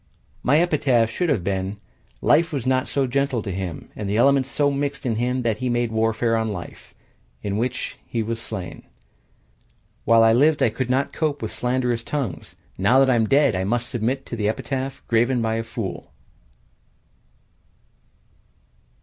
My epitaph should have been: "Life was not gentle to him, And the elements so mixed in him That he made warfare on life In the which he was slain." While I lived I could not cope with slanderous tongues, Now that I am dead I must submit to an epitaph Graven by a fool!